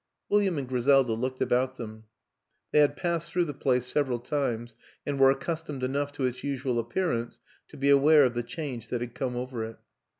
William and Griselda looked about them. They had passed through the place several times and were accustomed enough to its usual appear ance to be aware of the change that had come over it.